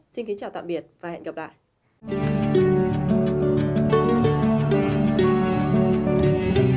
xin kính chào tạm biệt và hẹn gặp lại